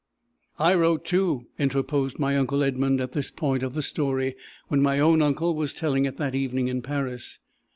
"I wrote too," interposed my uncle Edmund at this point of the story, when my own uncle was telling it that evening in Paris.